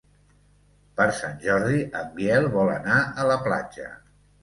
Per Sant Jordi en Biel vol anar a la platja.